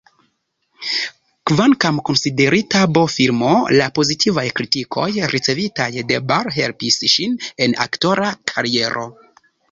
Kvankam konsiderita B-filmo, la pozitivaj kritikoj ricevitaj de Ball helpis ŝin en aktora kariero.